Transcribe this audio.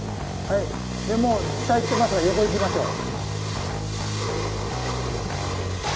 もう下いってますので横いきましょう。